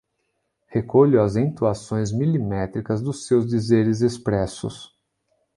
recolho as entoações milimétricas dos seus dizeres expressos